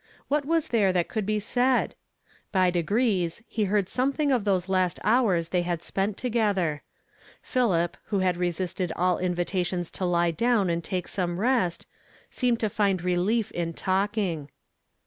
What was there that 814 YESTEI5DAY FRAMKn IN TO DAY. could be said ? Hy dcfrrees he heard something of those hist hours they had spent together. Philip, who had resisted all invitations to lie down and take some rest, seemed to find relief in talking.